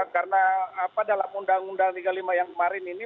karena dalam undang undang tiga puluh lima yang kemarin ini